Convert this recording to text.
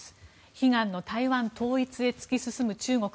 悲願の台湾統一へ突き進む中国。